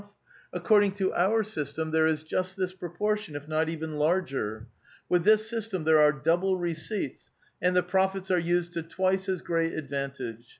A VITAL QUESTION. 897 ued Eirsdnof. " According to our system, there is jnst this proportion, if not even larger. With this system there are double receipts, and the profits are lised to twice as great advantage.